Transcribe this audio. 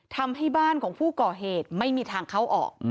ทำให้บ้านของผู้ก่อเหตุไม่มีทางเข้าออก